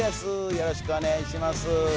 よろしくお願いします。